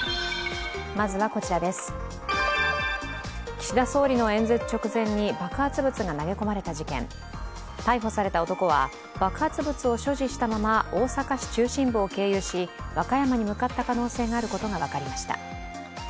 岸田総理の演説直前に爆発物が投げ込まれた事件逮捕された男は、爆発物を所持したまま大阪市中心部を経由し和歌山に向かった可能性があることが分かりました。